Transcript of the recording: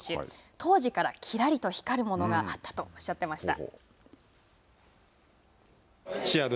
当時からきらりと光るものがあったとおっしゃっていました。